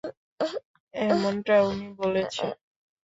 এমনটা ওনি বলেছে।